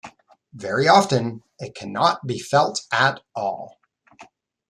Very often it cannot be felt at all.